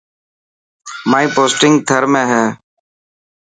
مائي پوسٽنگ ٿر ۾ هي.